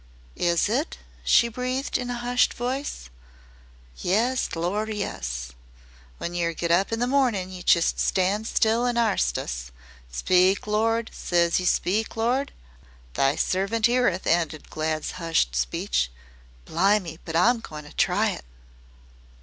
"Is it?" she breathed in a hushed voice. "Yes, Lor', yes! When yer get up in the mornin' you just stand still an' ARST it. 'Speak, Lord,' ses you; 'speak, Lord '" "Thy servant 'eareth," ended Glad's hushed speech. "Blimme, but I 'm goin' to try it!"